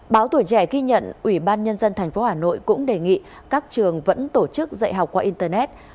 báo tuổi trẻ ghi nhận ubnd tp hà nội cũng đề nghị các trường vẫn tổ chức dạy học qua internet